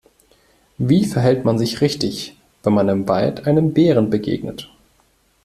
Wie verhält man sich richtig, wenn man im Wald einem Bären begegnet?